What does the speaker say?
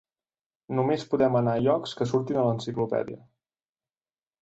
Només podem anar a llocs que surtin a l'enciclopèdia.